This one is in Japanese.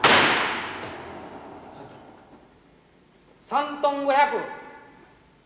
３トン５００。